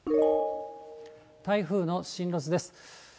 台風の進路図です。